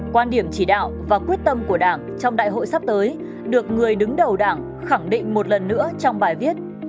quan điểm chỉ đạo và quyết tâm của đảng trong đại hội sắp tới được người đứng đầu đảng khẳng định một lần nữa trong bài viết